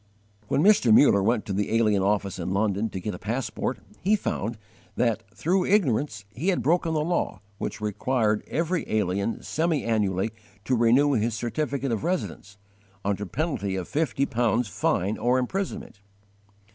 When Mr. Muller went to the alien office in London to get a passport, he found that, through ignorance, he had broken the law which required every alien semi annually to renew his certificate of residence, under penalty of fifty pounds fine or imprisonment.